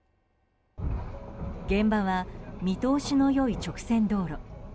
現場は見通しの良い直線道路。